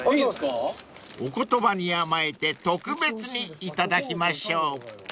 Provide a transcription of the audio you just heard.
［お言葉に甘えて特別にいただきましょう］